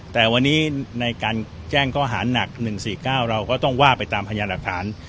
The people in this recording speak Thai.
แต่วันนี้ในการแจ้งก็หาหนักหนึ่งสี่เก้าเราก็ต้องว่าไปตามพยายามหลักฐาน